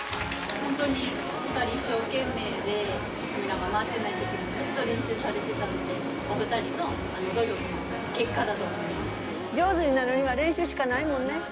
本当にお２人一生懸命で、カメラが回ってないときもずっと練習されてたので、お２人の努力上手になるには練習しかないもんね。